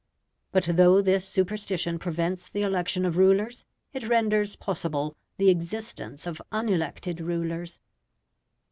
But though this superstition prevents the election of rulers, it renders possible the existence of unelected rulers.